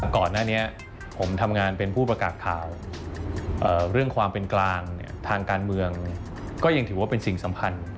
ก่อนหน้านี้ผมทำงานเป็นผู้ประกาศข่าวเรื่องความเป็นกลางทางการเมืองก็ยังถือว่าเป็นสิ่งสำคัญ